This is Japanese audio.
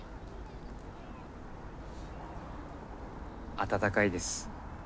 温かいです。